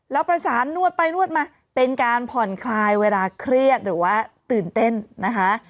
แล้วประสานนวดไปนวดมาเป็นการผ่อนคลายเวลาเครียดหรือว่าตื่นเต้นนะคะ